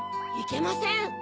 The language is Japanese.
いけません！